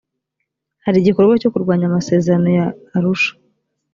hari igikorwa cyo kurwanya amaserano y arusha